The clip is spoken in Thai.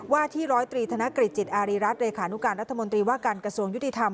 ว่าที่๑๐๓ธนกฤษจิตอาริรัติเรขานุการณ์รัฐมนตรีว่าการกระทรวงยุทธิธรรม